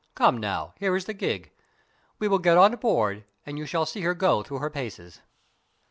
"Come now, here is the gig. We will get on board, and you shall see her go through her paces."